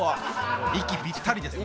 息ぴったりですね。